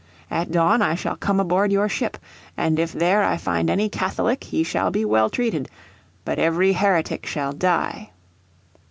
At dawn I shall come aboard your ship. And if there I find any Catholic he shall be well treated, but every heretic shall die."